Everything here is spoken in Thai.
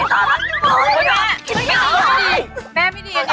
แม่ไม่ดีอันนี้แม่ไม่ดี